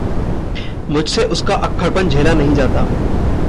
मुझसे उसका अक्खड़पन झेला नहीं जाता।